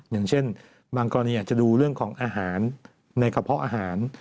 อย่างเช่นบางกรณีอาจจะดูเรื่องของอาหารในกระเพาะอาหาร